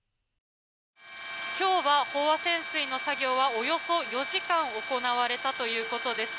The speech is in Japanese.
今日は飽和潜水の作業はおよそ４時間行われたということです。